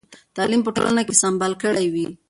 تعلیم به ټولنه سمبال کړې وي.